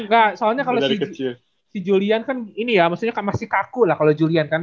enggak soalnya kalau si julian kan ini ya maksudnya masih kaku lah kalau julian kan